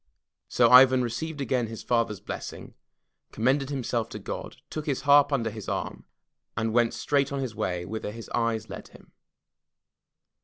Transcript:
So Ivan received again his father's blessing, commended himself to God, took his harp under his arm, and went straight on his way whither his eyes led him.